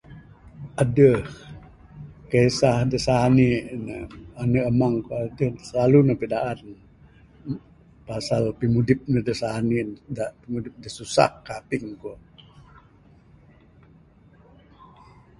Adeh kesah da sani ne. Ande amang aaa eee ku silalu ne pidaan. Pasal pimudip ne da sani ne da pasal pimudip ne da susah kaping ku.